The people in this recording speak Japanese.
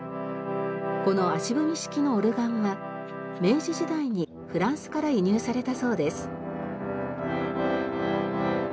この足踏み式のオルガンは明治時代にフランスから輸入されたそうです。